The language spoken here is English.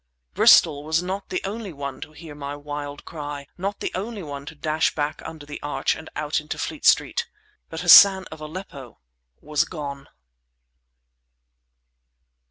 Bristol was not the only one to hear my wild cry—not the only one to dash back under the arch and out into Fleet Street. But Hassan of Aleppo was gone!